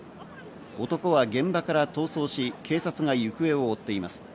男は現場から逃走し、警察が行方を追っています。